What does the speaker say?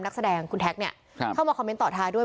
นักแสดงคุณแท็กเนี่ยเข้ามาคอมเมนต์ต่อท้ายด้วย